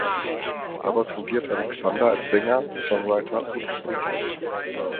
Dabei fungierte Alexander als Sänger, Songwriter und Produzent.